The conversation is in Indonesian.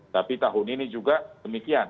tapi tahun ini juga demikian